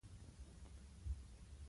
خلک د تفریح له لارې آرام مومي.